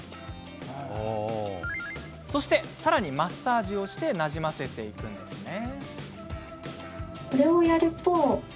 そして、さらにマッサージをしてなじませていくんですね。